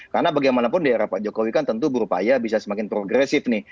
karena bagaimanapun di era pak jokowi kan tentu berupaya bisa semakin progresif nih